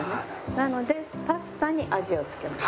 なのでパスタに味を付けます。